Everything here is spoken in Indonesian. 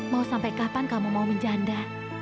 mau sampai kapan kamu mau menjanda